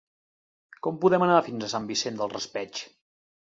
Com podem anar fins a Sant Vicent del Raspeig?